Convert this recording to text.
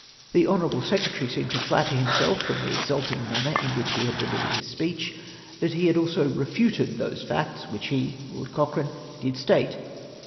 " The honourable secretary seemed to flatter himself, from the exulting manner in which he had delivered his speech, that he had also refuted those facts, which he (Lord Coch rane) did state.